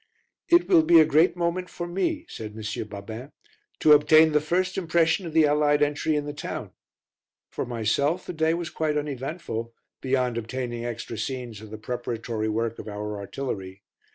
"It will be a great moment for me," said M. Babin, "to obtain the first impression of the Allied entry in the town." For myself the day was quite uneventful, beyond obtaining extra scenes of the preparatory work of our artillery.